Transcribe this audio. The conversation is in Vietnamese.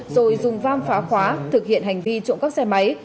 rồi dùng vam phá khóa thực hiện hành vi trộm cắp xe máy